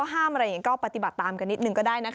แต่ก็ไม่มีใครสนใจ